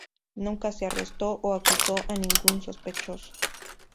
Nunca se arrestó o acusó a ningún sospechoso.